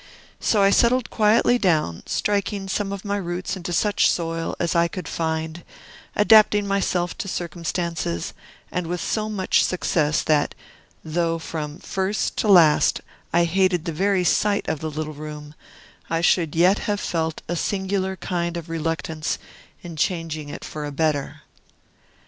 So I settled quietly down, striking some of my roots into such soil as I could find, adapting myself to circumstances, and with so much success, that, though from first to last I hated the very sight of the little room, I should yet have felt a singular kind of reluctance in changing it for a better.